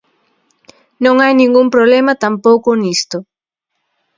Non hai ningún problema tampouco nisto.